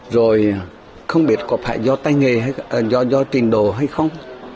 rồi không biết có phải do tay nghề hay do trình độ hay không